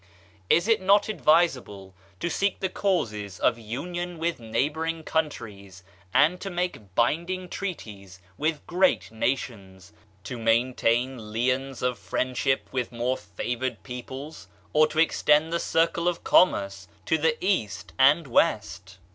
Is it not advisable to seek the causes of union with neigh boring countries, and to make binding treaties with great nations, to maintain liens of friendship with more favored peoples, or to extend the circle of commerce to the East and West?